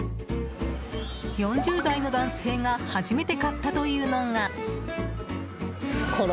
４０代の男性が初めて買ったというのが。